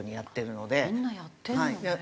みんなやってるのね。